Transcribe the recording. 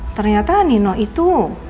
ternyata nino itu